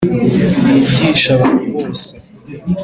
- bigishe abantu bose